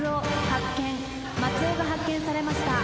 松尾が発見されました。